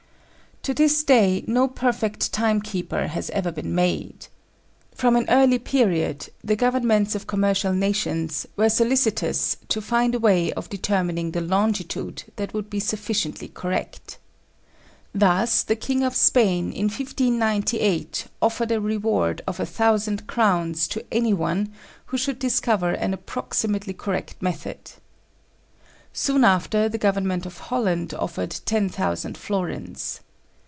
To this day, no perfect time keeper has ever been made. From an early period, the governments of commercial nations were solicitous to find a way of determining the longitude that would be sufficiently correct. Thus, the King of Spain, in 1598, offered a reward of a thousand crowns to any one who should discover an approximately correct method. Soon after, the government of Holland offered ten thousand florins.